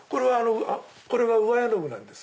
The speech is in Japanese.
これが上絵の具なんです。